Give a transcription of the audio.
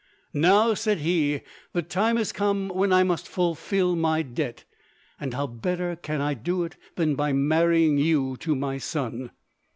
"Now," said he, "the time is come when I must fulfil my debt; and how better can I do it than by marrying you to my son?"